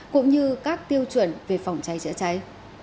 cũng như các tiêu chuẩn về phòng cháy chữa cháy